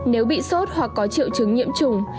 nếu bị sốt hoặc có triệu chứng nhiễm trùng